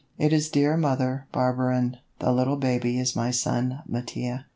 It is dear Mother Barberin, the little baby is my son Mattia.